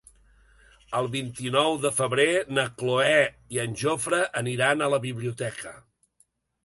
El vint-i-nou de febrer na Cloè i en Jofre aniran a la biblioteca.